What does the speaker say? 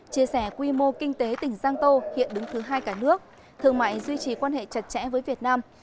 chia sẻ quy mô kinh tế tỉnh giang tô hiện đứng thứ hai cả nước thương mại duy trì quan hệ chặt chẽ với việt nam